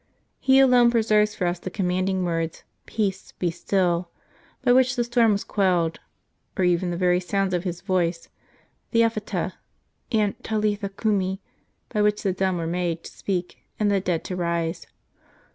He alone preserves for us the commanding words " Peace, be still !" by which the storm was quelled ; or even the very sounds of His voice, the "Ephpheta" and "Talitha cumi," by which the dumb were made to speak and the dead to rise.